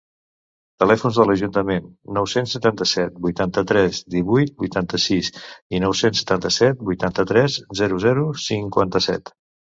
Telèfons de l'Ajuntament: nou-cents setanta-set vuitanta-tres divuit vuitanta-sis i nou-cents setanta-set vuitanta-tres zero zero cinquanta-set.